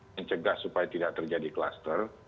mencegah supaya tidak terjadi kluster